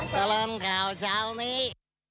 สวัสดี